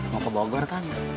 mau ke bogor kang